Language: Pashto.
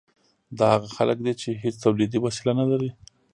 دا هغه خلک دي چې هیڅ تولیدي وسیله نلري.